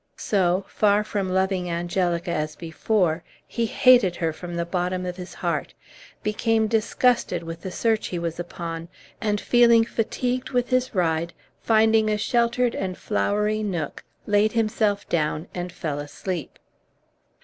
So far from loving Angelica as before he hated her from the bottom of his heart, became disgusted with the search he was upon, and, feeling fatigued with his ride, finding a sheltered and flowery nook, laid himself down and fell asleep.